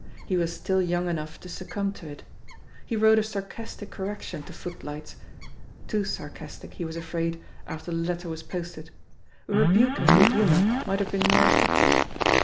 He was still yoimg enough to succumb to it. He Wrote a sarcastic correction to ^'Footlights'* — ^too earcastic, he was afraid, after the letter was posted. A rebuke in good hiunour might have been more effective.